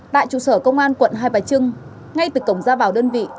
đại trụ sở công an quận hai bà trưng ngay từ cổng gia bảo đơn vị